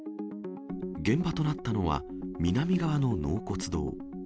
現場となったのは、南側の納骨堂。